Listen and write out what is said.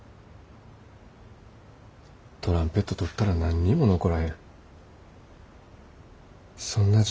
トランペットとったら何にも残らへん。